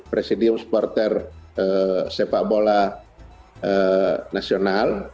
presidium supporter sepak bola nasional